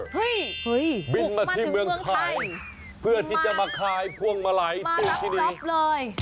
เฮ้ยบินมาที่เมืองไทยเพื่อที่จะมาขายพวงมาลัยถูกที่นี่เลย